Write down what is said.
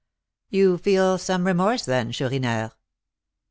"You feel some remorse, then, Chourineur?"